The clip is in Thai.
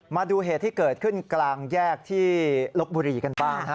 มาดูเหตุที่เกิดขึ้นกลางแยกที่ลบบุรีกันบ้างฮะ